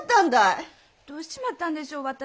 どうしちまったんでしょう私。